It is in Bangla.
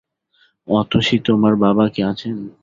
অতসী, তোমার বাবা কি আছেন?